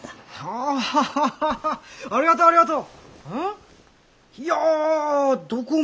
ありがとうありがとう！